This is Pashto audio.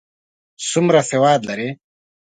څومره سواد لري؟